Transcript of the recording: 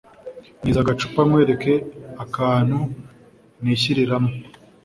Niza agacupa nkwereke akantu nishyiriramo